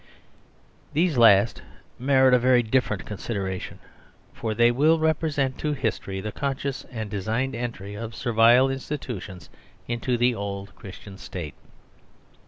These last merit a very different consideration, for they will represent to history the conscious and designed entry of Servile Institutions into the old Christian State.